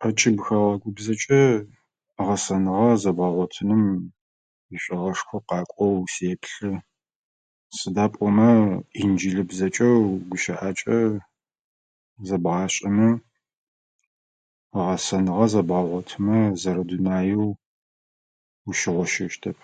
Ӏэкӏыб хэгъэгу бзэкӏэ гъэсэныгъэ зэбгъэгъотыным ишӏуагъэшхо къакӏоу сеплъы. Сыда пӏомэ инджылыбзэкӏэ гущэӏакӏэ зэбгъашӏэмэ, гъэсэныгъэ зэбгъэгъотымэ, зэрэ дунаеу ущыгъощэщтэп.